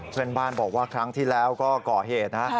เชิญบ้านบอกว่าครั้งที่แล้วก็เกาะเหตุนะ